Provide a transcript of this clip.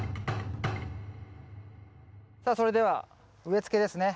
それでは植えつけですね。